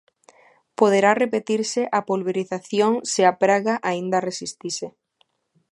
Poderá repetirse a pulverización se a praga aínda resistise.